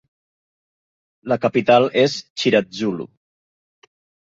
La capital és Chiradzulu.